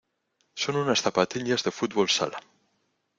Son unas zapatillas de fútbol sala.